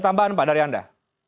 tambahan pak dari anda